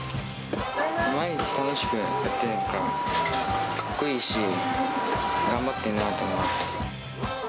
毎日楽しく働いているから、かっこいいし、頑張ってるなと思います。